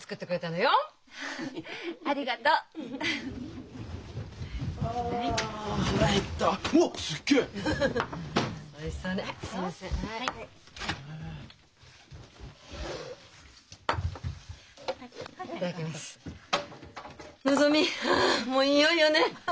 のぞみあもういよいよね！